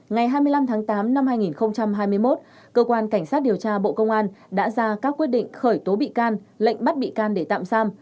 ngày hai mươi năm tháng tám năm hai nghìn hai mươi một cơ quan cảnh sát điều tra bộ công an đã ra các quyết định khởi tố bị can lệnh bắt bị can để tạm giam